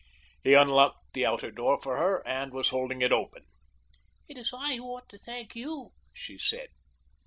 He unlocked the outer door for her and was holding it open. "It is I who ought to thank you," she said.